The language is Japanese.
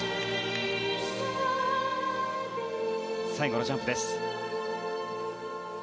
最後のジャンプです。